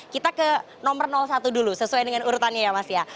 kita ke nomor satu dulu sesuai dengan urutannya ya mas ya